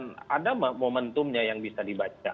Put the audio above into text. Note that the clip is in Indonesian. relatif mengkristal dan ada momentumnya yang bisa dibaca